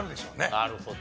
なるほど。